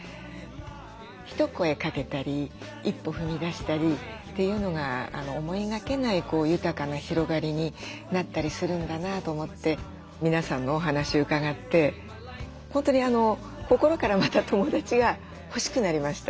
一声かけたり一歩踏み出したりっていうのが思いがけない豊かな広がりになったりするんだなと思って皆さんのお話伺って本当に心からまた友だちが欲しくなりました。